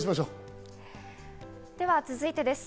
では続いてです。